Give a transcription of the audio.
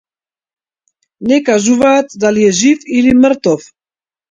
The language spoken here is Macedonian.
Не кажуваат дали е жив или мртов.